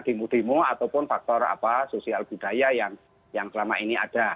dimudimo ataupun faktor sosial budaya yang selama ini ada